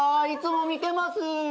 いつも見てます。